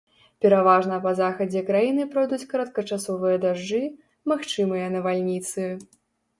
Пераважна па захадзе краіны пройдуць кароткачасовыя дажджы, магчымыя навальніцы.